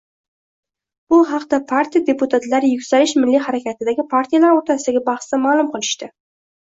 Bu haqda partiya deputatlari Yuksalish milliy harakatidagi partiyalar o'rtasidagi bahsda ma'lum qilishdi.